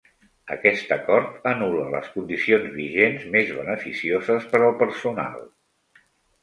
Aquest acord anul·la les condicions vigents més beneficioses per al personal.